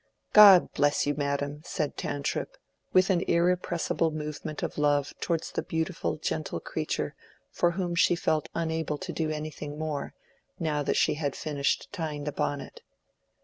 "God bless you, madam!" said Tantripp, with an irrepressible movement of love towards the beautiful, gentle creature for whom she felt unable to do anything more, now that she had finished tying the bonnet.